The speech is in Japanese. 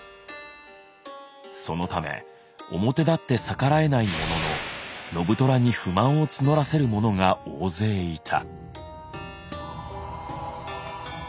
そのため表立って逆らえないものの信虎に不満を募らせる者が大勢いた。